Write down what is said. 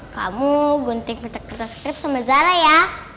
kamu gunting petik kertas krim sama zara ya